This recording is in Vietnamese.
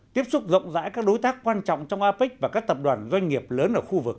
tiếp xúc rộng rãi các đối tác quan trọng trong apec và các tập đoàn doanh nghiệp lớn ở khu vực